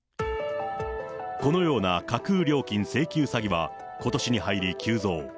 このような架空料金請求詐欺は、ことしに入り急増。